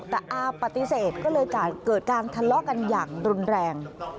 แต่อาปฏิเสธก็เลยเกิดการทะเลาะกันอย่างรุนแรง